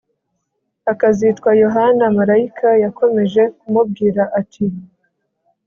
akazitwa Yohana Marayika yakomeje kumubwira ati